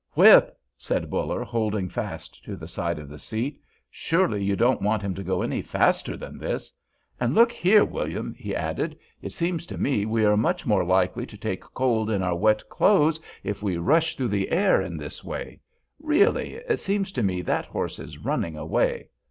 "Whip!" said Buller, holding fast to the side of the seat; "surely you don't want him to go any faster than this. And look here, William," he added, "it seems to me we are much more likely to take cold in our wet clothes if we rush through the air in this way. Really, it seems to me that horse is running away."